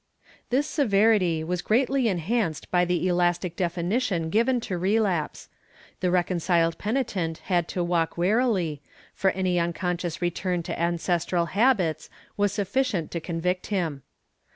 This severity was greatly enhanced by the elastic definition given to relapse. The reconciled penitent had to walk warily, for any unconscious return to ancestral habits was sufficient to convict him.